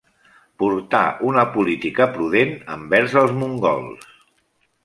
Portà una política prudent envers els mongols.